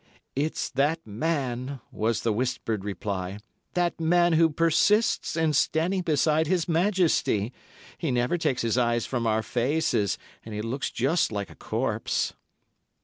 "It's that man," was the whispered reply, "that man who persists in standing beside His Majesty. He never takes his eyes from our faces, and he looks just like a corpse."